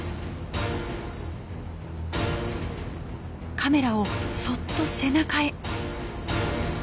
カメラをそっと背中へ。